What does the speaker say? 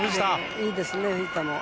いいですね、藤田も。